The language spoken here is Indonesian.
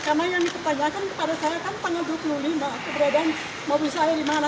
karena yang ditanyakan kepada saya kan tanggal dua puluh lima keberadaan mobil saya dimana